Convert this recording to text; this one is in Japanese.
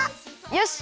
よし！